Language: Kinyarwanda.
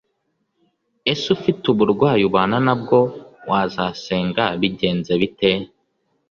Ese ufite uburwayi ubana nabwo wazasenga bigenze bite